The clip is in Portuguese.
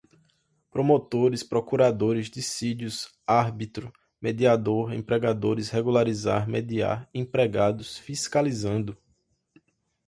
promotores, procuradores, dissídios, árbitro, mediador, empregadores, regularizar, mediar, empregados, fiscalizando